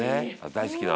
大好きな」